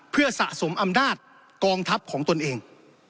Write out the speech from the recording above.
เพื่อสะสมอำนาจกองทัพของตนเอง